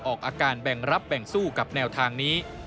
ออกอาการแบ่งรับแบ่งสู้กับแนวทางนี้